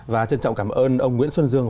và trân trọng cảm ơn ông nguyễn xuân dương